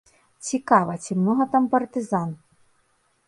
Цікава, ці многа там партызан?